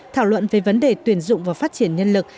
thảo luận về vấn đề tuyển dụng và phát triển nhân lực